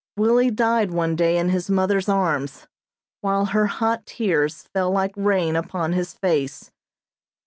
Willie died one day in his mother's arms, while her hot tears fell like rain upon his face.